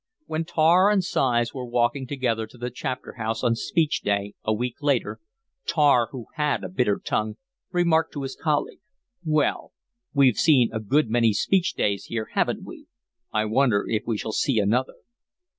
When Tar and Sighs were walking together to the Chapter House on Speech Day a week later, Tar, who had a bitter tongue, remarked to his colleague: "Well, we've seen a good many Speech Days here, haven't we? I wonder if we shall see another."